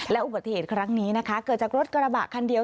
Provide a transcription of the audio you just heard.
อุบัติเหตุครั้งนี้นะคะเกิดจากรถกระบะคันเดียว